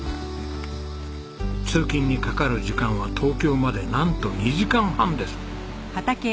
通勤にかかる時間は東京までなんと２時間半です。